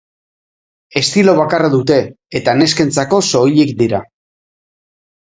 Estilo bakarra dute eta neskentzako soilik dira.